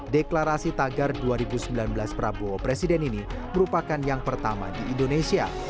deklarasi tagar dua ribu sembilan belas prabowo presiden ini merupakan yang pertama di indonesia